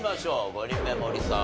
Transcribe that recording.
５人目森さん